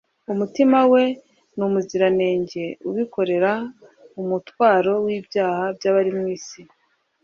umutima we w'umuziranenge ukikorera umutwaro w'ibyaha by'abari mwisi;